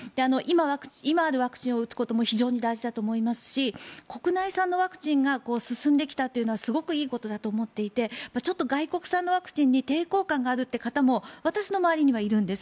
今あるワクチンを打つことも非常に大事だと思いますし国内産のワクチンが進んできたというのはいいことだと思っていて外国産のワクチンに抵抗感があるという方も私の周りに入るんです。